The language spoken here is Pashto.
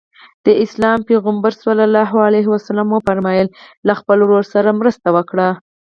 د اسلام پیغمبر ص وفرمایل له خپل ورور سره مرسته وکړئ.